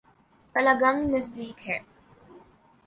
تلہ گنگ نزدیک ہے۔